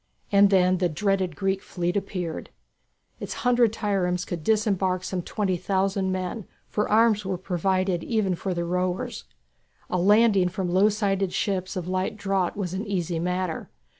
And then the dreaded Greek fleet appeared. Its hundred triremes could disembark some twenty thousand men, for arms were provided even for the rowers. A landing from low sided ships of light draught was an easy matter.